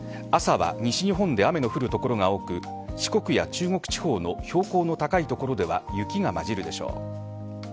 朝は西日本で雨の降る所が多く四国や中国地方の標高の高い所では雪がまじるでしょう。